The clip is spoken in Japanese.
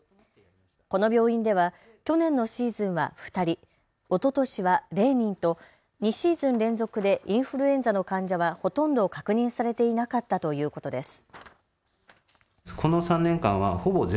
この病院では去年のシーズンは２人、おととしは０人と２シーズン連続でインフルエンザの患者はほとんど確認されていなかったということです。